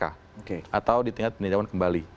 atau di tingkat peninjauan kembali